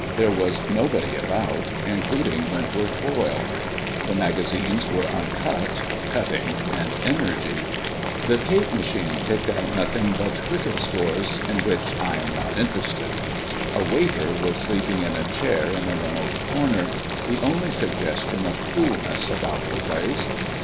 There was nobody about including Wentworth Boyle. The magazines were uncut cutting meant energy. The tape machine ticked out nothing but cricket scores, in which I am not interested. A waiter was sleeping in a chair in a remote corner, the only suggestion of coolness about the place.